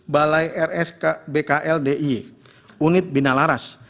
balai rs bkl d i e unit binalaras